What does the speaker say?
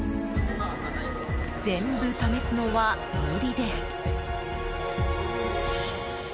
全部試すのは無理です。